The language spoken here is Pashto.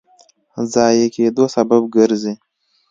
ضایع کېدو سبب ګرځي.